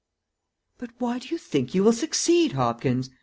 "But why do you think you will succeed, Hopkins?